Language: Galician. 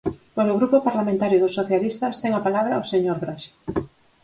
Polo Grupo Parlamentario dos Socialistas, ten a palabra o señor Braxe.